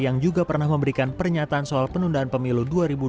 yang juga pernah memberikan pernyataan soal penundaan pemilu dua ribu dua puluh